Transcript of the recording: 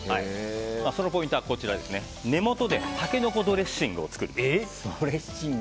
そのポイントは根元でタケノコドレッシングを作るべし。